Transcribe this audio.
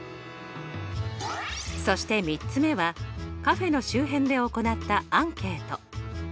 そして３つ目はカフェの周辺で行ったアンケート。